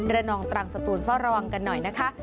ระนองตรังสตูนเฝ้าระวังกันหน่อยนะคะ